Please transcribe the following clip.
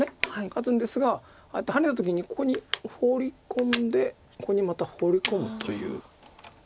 勝つんですがハネた時にここにホウリ込んでここにまたホウリ込むという。